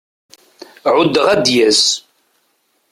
Ɛuddeɣ ad d-yas.